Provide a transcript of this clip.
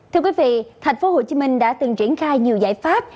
thưa quý vị thành phố hồ chí minh đã từng triển khai nhiều giải pháp